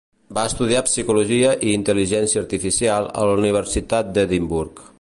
Va estudiar psicologia i intel·ligència artificial a la Universitat d'Edimburg.